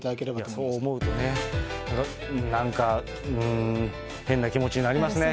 そう思うとね、なんか、うーん、変な気持ちになりますね。